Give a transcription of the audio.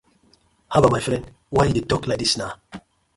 Habbah my friend why yu dey tok like dis na.